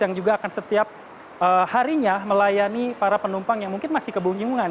yang juga akan setiap harinya melayani para penumpang yang mungkin masih kebingungan